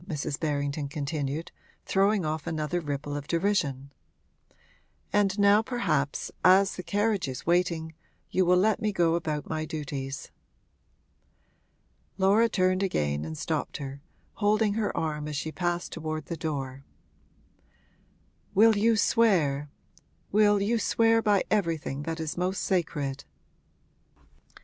Mrs. Berrington continued, throwing off another ripple of derision. 'And now perhaps, as the carriage is waiting, you will let me go about my duties.' Laura turned again and stopped her, holding her arm as she passed toward the door. 'Will you swear will you swear by everything that is most sacred?'